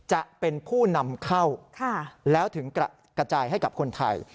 จะเป็นผู้นำเข้าแล้วถึงกระจายให้กับคนไทย